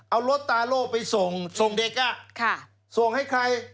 เอารถตาโล่ไปส่งส่งเด็กส่งให้ใคร